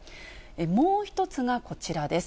もう１つがこちらです。